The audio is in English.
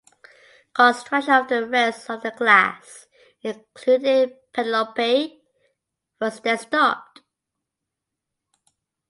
Construction of the rest of the class including "Penelope" was then stopped.